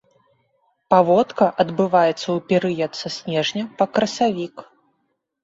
Паводка адбываецца ў перыяд са снежня па красавік.